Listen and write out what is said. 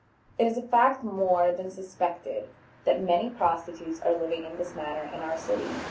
It is a fact more than suspected that many prostitutes are living in this manner in our city.